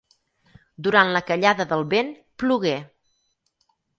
Durant la callada del vent, plogué.